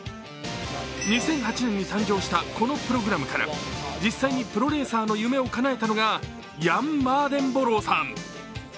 ２００８年に誕生したこのプログラムから実際にプロレーサーの夢をかなえたのがヤン・マーデンボローさん。